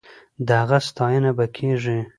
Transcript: د هغه ستاينه به کېږي.